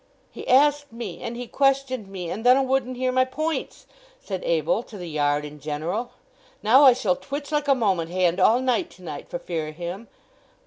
"He asked me and he questioned me, and then 'a wouldn't hear my points!" said Abel, to the yard in general. "Now, I shall twitch like a moment hand all night to night for fear o' him!"